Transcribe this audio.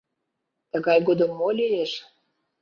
Тыгай годым мо лиеш?